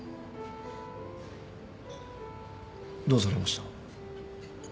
どうされました？